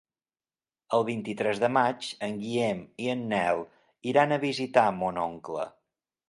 El vint-i-tres de maig en Guillem i en Nel iran a visitar mon oncle.